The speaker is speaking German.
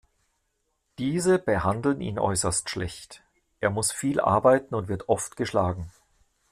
Diese behandeln ihn äußerst schlecht, er muss viel arbeiten und wird oft geschlagen.